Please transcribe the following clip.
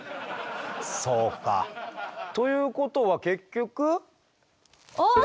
そうかということは結局？